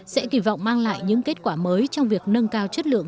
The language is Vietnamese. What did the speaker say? sẽ kỳ vọng mang lại những kết quả mới trong việc nâng cao chất lượng